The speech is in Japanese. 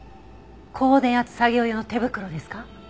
高電圧作業用の手袋ですか？